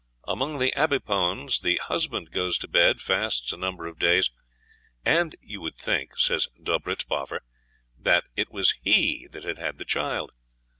Among the Abipones the husband goes to bed, fasts a number of days, "and you would think," says Dobrizboffer, "that it was he that had had the child."